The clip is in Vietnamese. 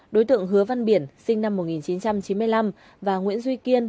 đối tượng hứa văn biển sinh năm một nghìn chín trăm chín mươi năm và nguyễn duy kiên